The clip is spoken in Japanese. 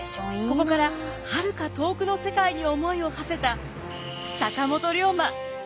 ここからはるか遠くの世界に思いをはせた坂本龍馬。